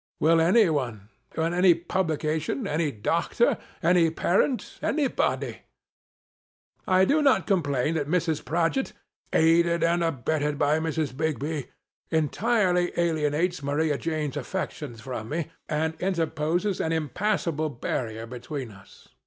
Will any one 1 Will any publica tion ? Any doctor 1 Any parent 1 Any body 1 I do not complain that Mrs. Prodgit (aided and abetted by Mrs. Bigby) entirely alienates Maria Jane's affections from me, and interposes an impassable barrier be tween us.